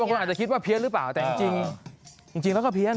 คนอาจจะคิดว่าเพี้ยนหรือเปล่าแต่จริงแล้วก็เพี้ยน